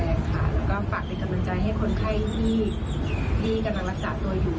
แล้วก็ฝากเป็นกำลังใจให้คนไข้ที่กำลังรักษาตัวอยู่